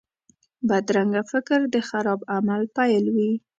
بدرنګه فکر د خراب عمل پیل وي